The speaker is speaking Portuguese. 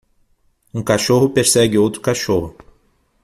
um cachorro persegue outro cachorro.